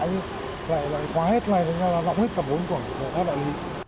lại khóa hết lại nó là lọng hết cả vốn của các đại lý